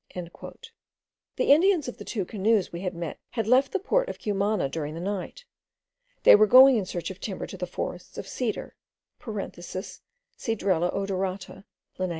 The Indians of the two canoes we had met had left the port of Cumana during the night. They were going in search of timber to the forests of cedar (Cedrela odorata, Linn.)